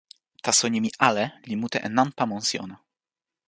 taso nimi "ale" li mute e nanpa monsi ona.